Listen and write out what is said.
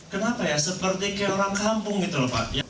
kenapa ya seperti ke orang kampung gitu lho pak